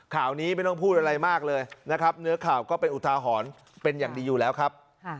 ข่าวนี้ไม่ต้องพูดอะไรมากเลยนะครับเนื้อข่าวก็เป็นอุทาหรณ์เป็นอย่างดีอยู่แล้วครับ